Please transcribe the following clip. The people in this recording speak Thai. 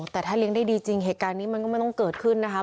แต่ถ้าเลี้ยงได้ดีจริงเหตุการณ์นี้มันก็ไม่ต้องเกิดขึ้นนะคะ